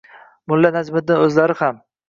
Mulla Najmiddin, o‘zlari ham…